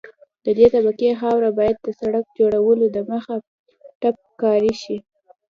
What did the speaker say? د دې طبقې خاوره باید د سرک جوړولو دمخه تپک کاري شي